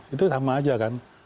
itu sama saja kan